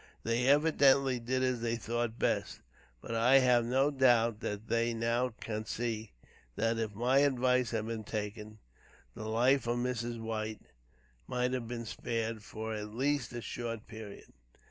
They evidently did as they thought best, but I have no doubt that they now can see, that if my advice had been taken, the life of Mrs. White might have been spared for at least a short period."